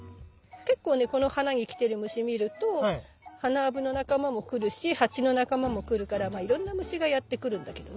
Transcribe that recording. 結構ねこの花に来てる虫見るとハナアブの仲間も来るしハチの仲間も来るからいろんな虫がやって来るんだけどね。